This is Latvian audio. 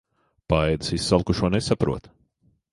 Paēdis izsalkušo nesaprot.